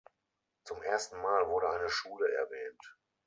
Zum ersten Mal wurde eine Schule erwähnt.